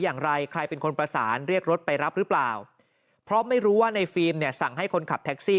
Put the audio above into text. อย่างไรใครเป็นคนประสานเรียกรถไปรับหรือเปล่าเพราะไม่รู้ว่าในฟิล์มเนี่ยสั่งให้คนขับแท็กซี่